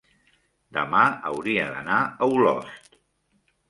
demà hauria d'anar a Olost.